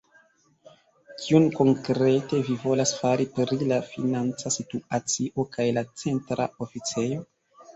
Kion konkrete vi volas fari pri la financa situacio kaj la Centra Oficejo?